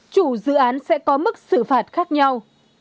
chủ dự án sẽ có mức xử phạt khác nhau